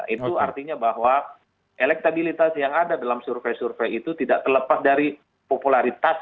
itu artinya bahwa elektabilitas yang ada dalam survei survei itu tidak terlepas dari popularitas